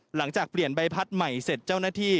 หลังจากเปลี่ยนใบพัดใหม่เสร็จเจ้าหน้าที่